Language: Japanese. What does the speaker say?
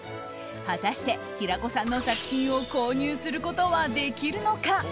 果たして平子さんの作品を購入することはできるのか。